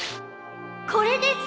これです！